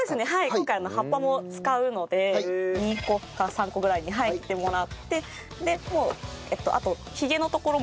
今回葉っぱも使うので２個か３個ぐらいに切ってもらってでもうあと。